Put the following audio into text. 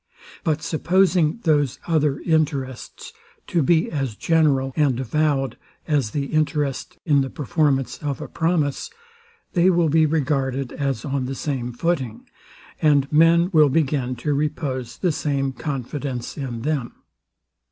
But supposing those other interests to be as general and avowed as the interest in the performance of a promise, they will be regarded as on the same footing, and men will begin to repose the same confidence in them.